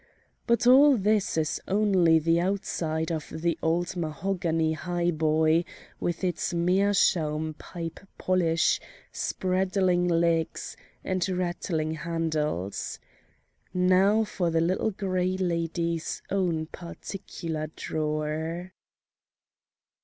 But all this is only the outside of the old mahogany high boy with its meerschaum pipe polish, spraddling legs, and rattling handles. Now for the Little Gray Lady's own particular drawer.